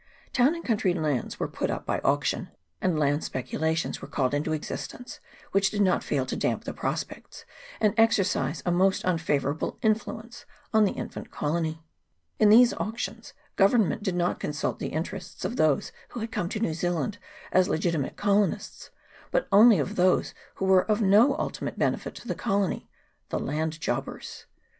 Town and country lands were put up by auction, and land speculations were called into existence, which did not fail to damp the prospects, and exercise a most un favourable influence on the infant colony. In these auctions Government did not consult the interests of those who had come to New Zealand as legitimate colonists, but only of those who were of no ultimate benefit to the colony the land jobbers.